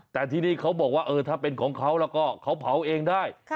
แต่ที่นี่เขาบอกว่าถ้าเป็นของเขาแล้วก็เขาเผาเองได้